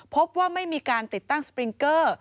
พบว่าไม่มีการติดตั้งสปริงเกอร์